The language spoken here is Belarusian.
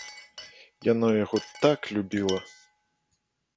Яна яго так любіла!